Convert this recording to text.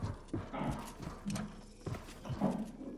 ميرويس احمدزي ده